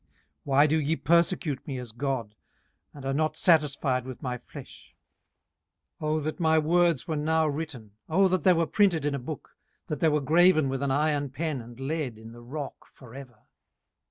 18:019:022 Why do ye persecute me as God, and are not satisfied with my flesh? 18:019:023 Oh that my words were now written! oh that they were printed in a book! 18:019:024 That they were graven with an iron pen and lead in the rock for ever!